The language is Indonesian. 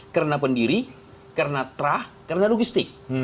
karena pendiri karena terah karena logistik